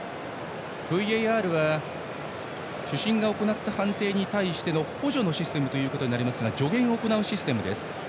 ＶＡＲは主審が行った判定に対しての補助のシステムとなりますが助言を行うシステム。